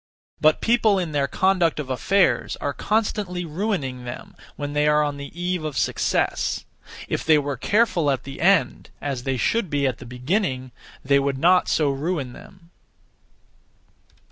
(But) people in their conduct of affairs are constantly ruining them when they are on the eve of success. If they were careful at the end, as (they should be) at the beginning, they would not so ruin them.